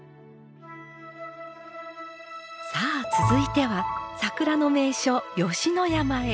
さあ続いては桜の名所吉野山へ。